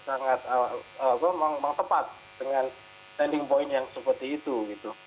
sangat memang tepat dengan standing point yang seperti itu gitu